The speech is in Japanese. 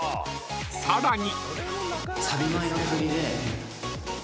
［さらに］